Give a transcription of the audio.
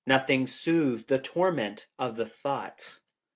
Nothing soothed the torment of the thought.